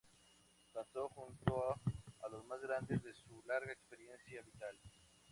Cantó junto a los más grandes de su larga experiencia vital.